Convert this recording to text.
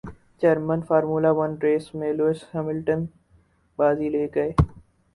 German formula one race میں Lewis Hamilton بازی لے گئے